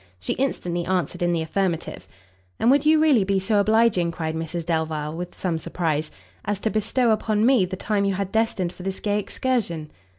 She instantly answered in the affirmative. "And would you really be so obliging," cried Mrs Delvile, with some surprise, "as to bestow upon me the time you had destined for this gay excursion?"